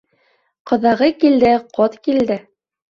Ҡоҙағый килде ҡот килде.